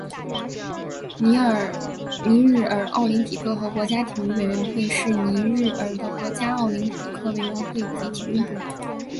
尼日尔奥林匹克和国家体育委员会是尼日尔的国家奥林匹克委员会及体育部门。